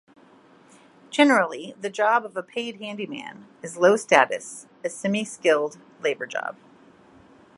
Generally the job of paid handyman is low status, a semi-skilled labor job.